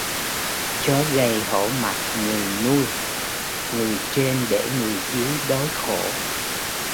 Chó gầy hổ mặt người nuôi: người trên để người dưới đói khổ